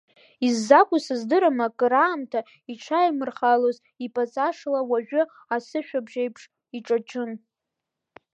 Иззакәу сыздырам, акыраамҭа иҿаи-мырхалоз иԥаҵашла, уажәы асы-шәыб еиԥш иҿачын.